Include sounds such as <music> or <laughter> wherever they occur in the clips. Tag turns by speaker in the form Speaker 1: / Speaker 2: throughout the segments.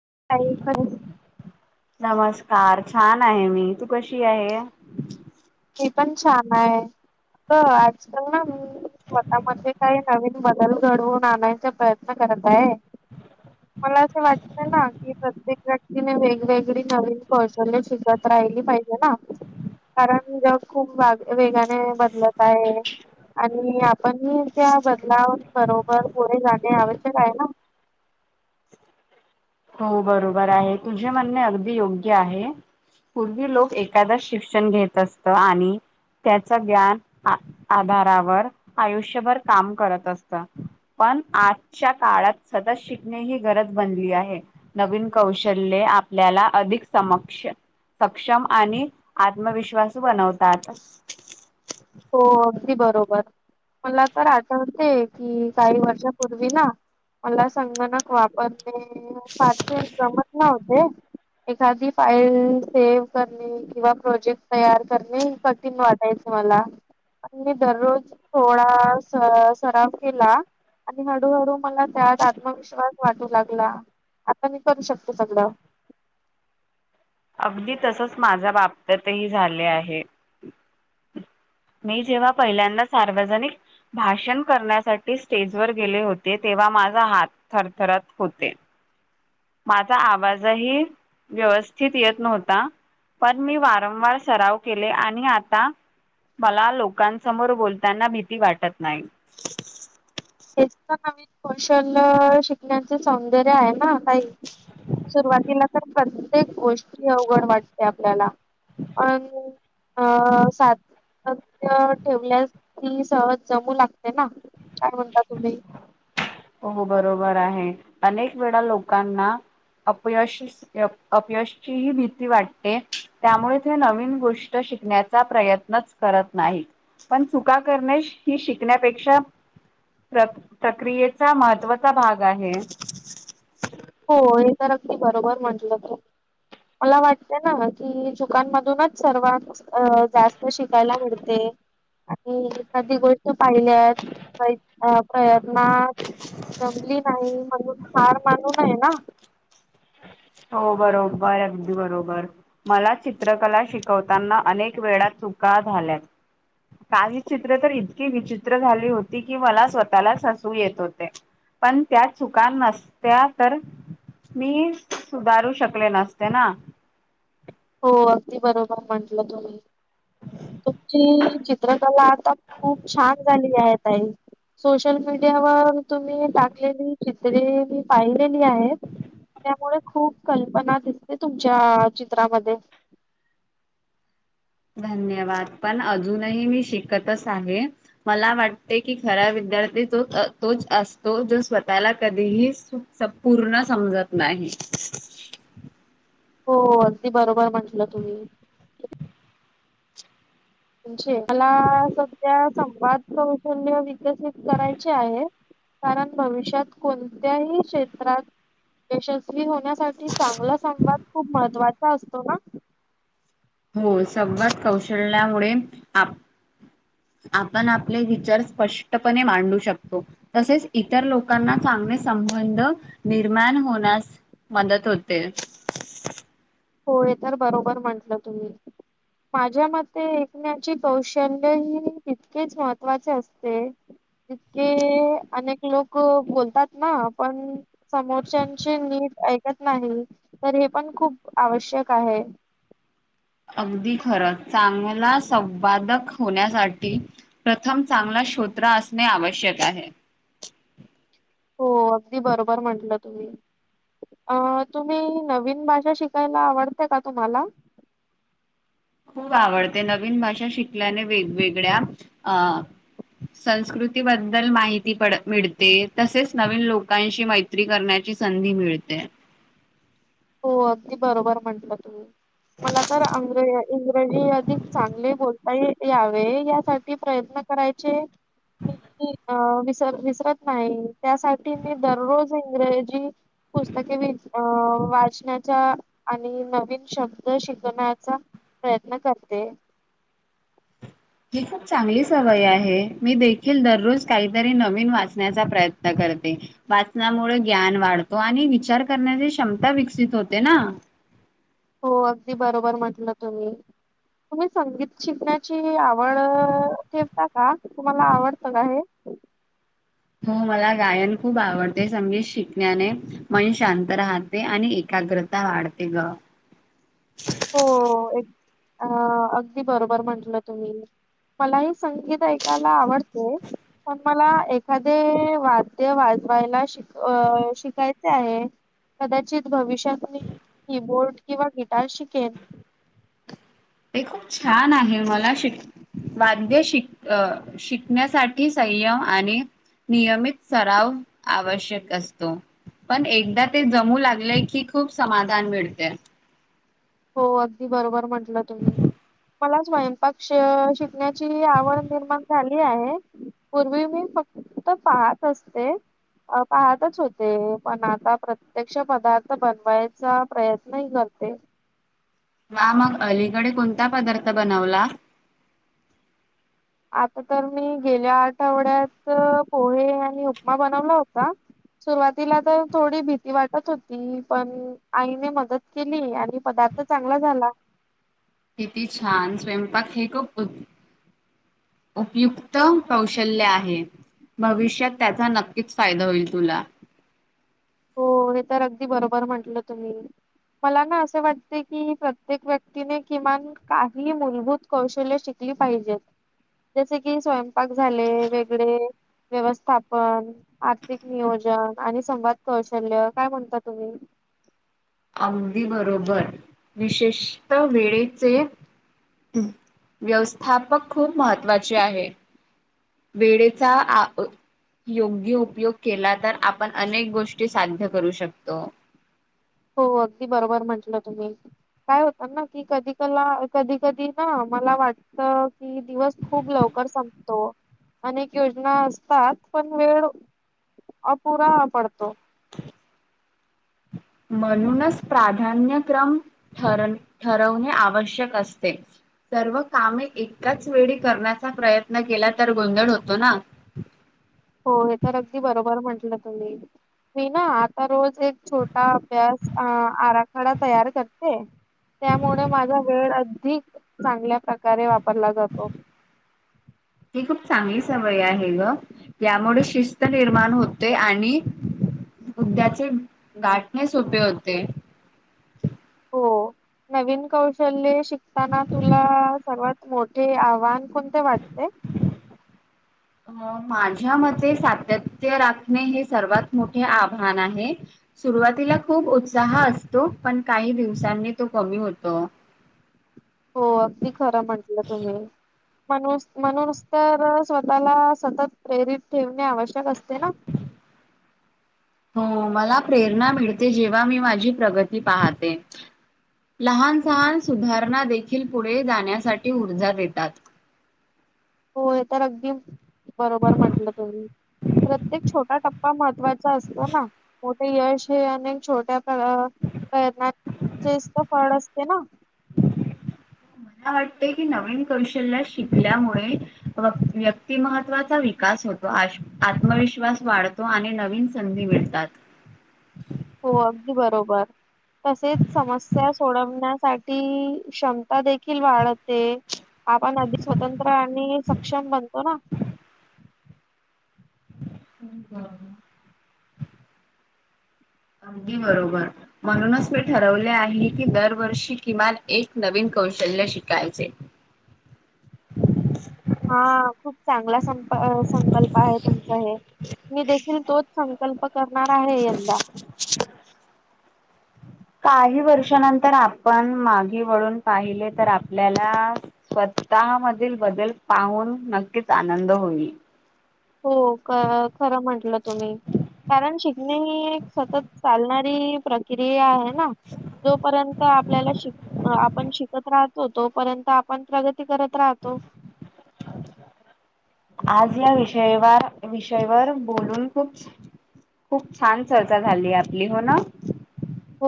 Speaker 1: <unintelligible>
Speaker 2: नमस्कार छान आहे मी, तू कशी आहे?
Speaker 1: मी पण छान आहे. आजकाल ना मी स्वतः म काही नवीन बदल घडवून आणायचा प्रयत्न कर <unintelligible> अस वाटत ना की प्रत्येक व्यक्तीने वेगवेगळी नवीन कौशल्य शिकत राहिली पाहिजे. ना कारण जग खूप वेगाने बदलत आहे आणि आपण त्या बदला बरोबर पुढे जाणे आवश्यक आहे ना.
Speaker 2: <unintelligible> हो बरोबर आहे तुझे म्हणणे अगदी योग्य आहे. पूर्वी लोक एखादा शिक्षण घेत असत आणि त्याच ज्ञान आधारावर आयुष्यभर काम करत असत. पण आजच्या काळात सदच शिकणे ही गरज बनली आहे नवीन कौशल्य आपल्याला अधिक समक्ष सक्षम आणि आत्मविश्वास बनवतात
Speaker 1: हो अगदी बरोबर मला तर आठवते कि काही वर्षापूर्वी ना मला संगणक वापरणे फारसे जमत नव्हते एखादी फाईल सेव्ह करणे किंवा प्रोजेक्ट तयार करणे कठीण वाटायचं मला आणि म दररोज सोळा सराव केला आणि हळूहळू मला त्यात आत्मविश्वास वाटू लागला आपण ही करू शकतो सगळं
Speaker 2: अगदी तसच माझ्या बाबतीतही झाले आहे मी जेव्हा पहिल्यांदा सार्वजनिक भाषण करण्यासाठी स्टेजवर गेले होते तेव्हा माझा हात थरथरत होते माझा आवाजही व्यवस्थित येत नव्हता पण मी वारंवार सराव केले आणि आता मला लोकांसमोर बोलताना भीती वाटत नाही
Speaker 1: इतक नवीन कौशल शिकण्याच सौंदर्य आहे ह काही सुरुवातीला तर प्रत्येक गोष्टी अवघड वाटते आपल्याला आणि अ सातत्य ठेवल्या ती सहज जमू लागते ना काय म्हणता तुम्ही
Speaker 2: हो बरोबर आहे अनेक वेळा लोकांना अपयश अपयशची ह भीती वाटते त्यामुळे ते नवीन गोष्ट शिकण्याचा प्रयत्नच करत नाहीत पण चुका करणे ही शिकण्यापेक्षा प्र प्रक्रियेचा महत्त्वाचा भाग आहे
Speaker 1: हो हे तर अगदी बरोबर म्हटलं मला वाटते ना कि चुकांमधूनच सर्वां अ जास्त शिकायला मिळते आणि कधी गोष्टी पाहिल्यात ना जमली नाही म्हणून हार मानू नये ना
Speaker 2: हो बरोबरदी बरोबर मला चित्रकला शिकवताना अनेक वेळात चुका झाल्यात काही चित्र तर इतकी विचित्र झाली होती की मला स्वतःलाच हसू येत होते पण त्यात चुका नसत्या तर मी सुधारू शकले नसते ना
Speaker 1: हो अगदी बरोबर म्हंटलं तुम्ही तुमची चित्रकला खूप छान झाली आहे ताई सोशल मीडियावर तुम्ही टाकलेली चित्रे मी पाहिलेली आहेत त्यामुळे खूप कल्पना दिसते तुमच्या चित्रामध्ये
Speaker 2: धन्यवाद पण अजूनही मी शिकतच आहे मला वाटते की खऱ्या विद्यार्थी तो तोच असतो जो स्वतःला कधीही पूर्ण समजत नाही <inaudible>
Speaker 1: हो अगदी बरोबर म्हंटलं तुम्ही म्हणजे मला सध्या संवाद कौशल्य विकसित करायचे आहे कारण भविष्यात कोणत्याही क्षेत्रात यशस्वी होण्यासाठी चांगला संवाद खूप महत्वाचा असतो ना
Speaker 2: हो संबत कौशल्यामुळे आप आपण आपले विचार स्पष्टपणे मांडू शकतो तसेच इतर लोकांना संबंध निर्माण होण्यास मदत होते
Speaker 1: होय तर बरोबर म्हंटलं तुम्ही माझ्या मते ऐकण्याची कौशल्य ही तितकीच महत्वाची असते तितके के अनेक लोक क बोलतात ना पण समोरच्याची नीट ऐकत नाही तर हे पण हे खूप आवश्यक आहे
Speaker 2: अगदी खर चांगला संवादक होण्यासाठी प्रथम चांगला शोत्र असणे आवश्यक आहे
Speaker 1: हो अगदी बरोबर म्हंटल तुम्ही अ तुम्ही नवीन भाषा शिकायला ला आवडते का तुम्हाला
Speaker 2: खूप आवडते नवीन भाषा शिकल्याने वेगवेगळ्या अ संस्कृतीबद्दल माहिती पडते मिळते तसेच नवीन लोकांशी मैत्री करण्याची की संधी मिळते
Speaker 1: हो अगदी बरोबर म्हंटल तू मला तर अंग्रेज इंग्रजी अधिक चांगले बोलते आई यावे यासाठी प्रयत्न करायचे मी अ अ विसर विसरत नाही त्यासाठी मी दररोज इंग्रजी पुस्तके वि अं वाजते शिकण्याचा आणि नवीन शब्द शिकवण्याचा प्रयत्न करते
Speaker 2: <inaudible> ही खूप चांगली सवई आहे मी देखील दररोज काहीतरी नवीन वाचण्याचा प्रयत्न करते वाचनामुळे ज्ञान वाढतो आणि विचार करण्याची क्षमता विकसित होते ना <inaudible>
Speaker 1: हो अगदी बरोबर म्हटलं तुम्ही तुम्ही संगीत शिकण्याची आवड ठेवता का तुम्हाला आवडता का हे
Speaker 2: <inaudible> हो मला गायन खूप आवडते संगीत शिकण्याने मन शांत राहते आणि एका - काग्रता वाढते ग
Speaker 1: हो एक अ अगदी बरोबर म्हंटल तुम्ही मलाही संगीत ऐकायला आवडते पण मला एखादे वाद्य वाजवायला शिकायचे अ शिकायचे आहे कदाचित भविष्यातही कीबोर्ड किंवा गिटार शिकेन
Speaker 2: ते खूप छान आहे मला शिक वाद्य शिक अ शिकण्यासाठी संयम आणि नियमित सराव आवश्यक असतो पण एकदा ते जमू लागले की खूप समाधान मिळतेय
Speaker 1: हो अगदी बरोबर म्हंटल तुम्ही मला स्वयंपाक शि शिकण्याची आवड निर्माण झाली आहे पूर्वी मी फक्त त पाहत असते अ पाहतच होते पण आता प्रत्यक्ष पदार्थ बनवायचा प्रयत्नही करते ते अ
Speaker 2: वा मग अलीकडे कोणता पदार्थ बनवला
Speaker 1: आता तर मी गेल्या आठवड्यात पोहे आणि उपमा बनवला होता सुरुवातीला तर थोडी भीती वाटत होती पण आईने मदत केली आणि पदार्थ आता चांगला झाला
Speaker 2: किती छान स्वयंपाक हे खूप उत्त उपयुक्त कौशल्य आहे भविष्यात त्याचा नक्कीच फायदा होईल तुला
Speaker 1: हो हे तर अगदी बरोबर म्हंटल तुम्ही मला ना असं वाटते की प्रत्येक व्यक्तीने किमान काही मूलभूत कौशल्य शिक पाहिजे जसे की स्वयपा पाक झाले ल वेगळे व्यवस्थापन आर्थिक नियोजन आणि संवाद कौशल्य काय म्हणता तुम्ही
Speaker 2: अगदी बरोबर विशेष्ट वेळीचे व्यवस्थापक खूप महत्त्वाचे आहे. वेळेचा योग्य उपयोग केला तर, आपण अनेक गोष्टी साध्य करू शकतो.
Speaker 1: हो अगदी बरोबर म्हंटलं तुम्ही. काय होत ना? की कधी ला क कधी कधी ना मला वाटत की दिवस खूप लव ल संपतो अनेक योजना असतात पण वेळ अ पूरा पडतो.
Speaker 2: <inaudible> म्हणूनच प्राधान्यक्रम ठर ठरवणे आवश्यक असते. सर्व कामे एकाच वेळी करण्याचा प्रयत्न केला, तर गोंधळ होतो ना?
Speaker 1: हो हे तर अगदी बरोबर म्हंटलं तुम्ही. मी ना आता रोज एक छोटा अभ्यास अ आर ख डा तयार करते. त्यामुळे माझा वेळ अधिक चांगल्या प्रकारे वापर परला जातो.
Speaker 2: ही खूप चांगली सवय आहे ग. त्यामुळे शिस्त निर्माण होते आणि उद्याचे गाठणे सोपे होते.
Speaker 1: हो नवीन कौशले शिकताना तुला सर्वात मोठे आव्हान कोणते वाटते?
Speaker 2: अ माझ्या मते सातत्य राखणे. हे सर्वात मोठे आवान आहे. सुरुवातीला खूप उत्साह असतो. पण काही दिवसांनी तो कमी होतो. <inaudible>
Speaker 1: हो अगदी खरं म्हटलं तुम्ही. म्हणून म्हणून तर स्वतःला सतत प्रेरित ठेवणे आवश्यक असते ना?
Speaker 2: <inaudible> हो मला प्रेरणा मिळते जेव्हा, मी माझी प्रगती पाहते. लहान सहान सुधारणा देखील पुढे जाण्यासाठी ऊर्जा देतात.
Speaker 1: होय तर अगदी बरोबर म्हंटलं तुम्ही. प्रत्येक छोटा टप्पा महत्त्वाचा असतो ना? मोठे यश हे अनेक छोट्या करनाचेच तर फळ असते ना?
Speaker 2: <inaudible> मला वाटते की, नवीन कौशल्य शिकल्यामुळे व्यक्तिमहत्त्वाचा विकास होतो, आत्मविश्वास वाढतो. आणि नवीन संधी मिळतात.
Speaker 1: हो अगदी बरोबर. तसेच समस्या सोडवण्यासाठी क्षमता देखील वाढत ते आपण अगदी स्वतंत्र आणि सक्षम बनतो ना?
Speaker 2: बरोबर. <unintelligible> बरोबर म्हणूनच मी ठरवले आहे की, दरवर्षी किमान एक नवीन कौ कौशल्य शिकायचे.
Speaker 1: हा खूप चांगला संप संकल्प आहेत. तुमचं हे. मी देखील तोच संकल्प
Speaker 2: काही वर्षानंतर आपण मागे वळून पाहिले तर आपल्याला स्तःमधील बदल पाहून नक्कीच आनंद होईल.
Speaker 1: हो खरं म्हंटलं तुम्ही. कारण शिकणे ही एक सतत चालणारी क्रिया आहे ना, जोपर्यंत आपल्याला शिक आपण शिक राहतों तो पर्यंत आपण प्रगती करत राहतो.
Speaker 2: व्यवहार विषयवर बोलून खूप खूप छान चर्चा झालीय आपली हो ना?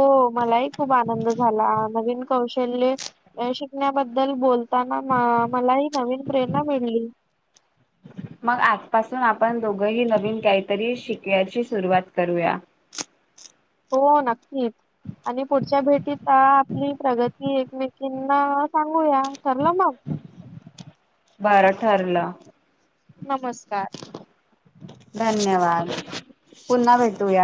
Speaker 1: हो मलाही खूप आनंद झाला, नविन कौशल्य शिकण्याबद्दल बोलताना मला ह नवीन प्रेरणा मिळली.
Speaker 2: ह <inaudible> मग आजपासून आपण दोघही नवीन काहीतरी शिकयची सुरुवात करूया? <inaudible>
Speaker 1: हो नक्कीच आणि पुढच्या भेटीत अ आपली प्रगती एकमेकीना सांगूया ठरलं मग.
Speaker 2: बार ठरल.
Speaker 1: नमस्कार.
Speaker 2: धन्यवाद पुन्हा भेटूया.